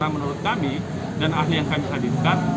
menurut kami dan ahli yang kami hadirkan